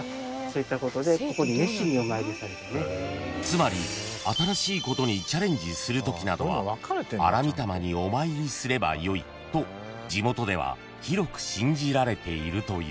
［つまり新しいことにチャレンジするときなどは荒御霊にお参りすればよいと地元では広く信じられているという］